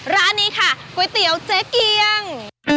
ร้านนี้ค่ะก๋วยเตี๋ยวเจ๊เกียง